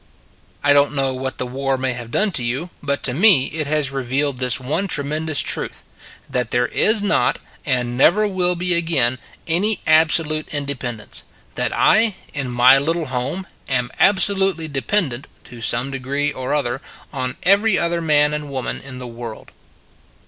I don t know what the war may have done to you, but to me it has revealed this one tremendous truth: that there is not, and never will be again, any absolute in dependence; that I, in my little home, am absolutely dependent, to some degree or other, on every other man and woman in the world.